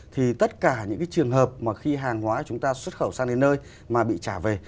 thì tất cả những cái trường hợp mà khi hàng hóa chúng ta xuất khẩu sang đến nơi mà bị trả về